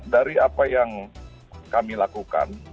dari apa yang kami lakukan